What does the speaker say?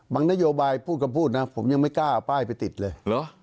นโยบายพูดคำพูดนะผมยังไม่กล้าเอาป้ายไปติดเลยเหรอ